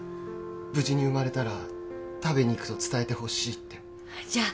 「無事に生まれたら食べに行くと伝えてほしい」ってじゃあ